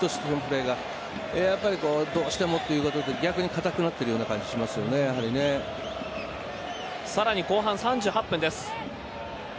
やっぱりどうしてもということで逆に硬くなっているようなさらに後半３８分です。